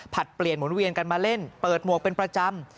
เปลี่ยนหมุนเวียนกันมาเล่นเปิดหมวกเป็นประจำ